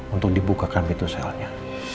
untuk dibukakan pituselnya